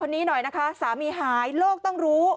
หน่อยนะคะสามีหายโลกต้องรู้